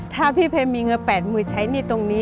ถ้าพี่เพมีเงินแปดมือใช้หนี้ตรงนี้